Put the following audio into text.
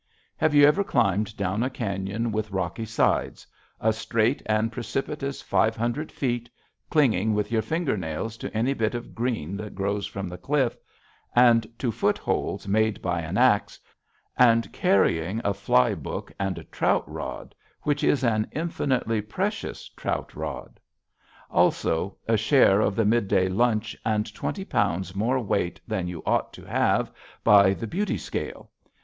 Have you ever climbed down a cañon with rocky sides, a straight and precipitous five hundred feet, clinging with your finger nails to any bit of green that grows from the cliff, and to footholds made by an axe, and carrying a fly book and a trout rod which is an infinitely precious trout rod? Also, a share of the midday lunch and twenty pounds more weight than you ought to have by the beauty scale?